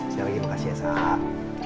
sekali lagi terima kasih ya sahab